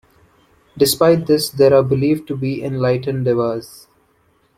Despite this, there are believed to be enlightened devas.